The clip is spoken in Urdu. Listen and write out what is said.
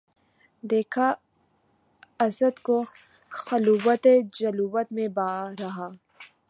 دیکھا اسدؔ کو خلوت و جلوت میں بار ہا